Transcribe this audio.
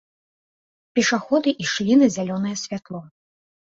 Пешаходы ішлі на зялёнае святло.